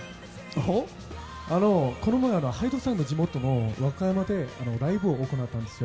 この前、ＨＹＤＥさんの地元の和歌山でライブを行ったんですよ。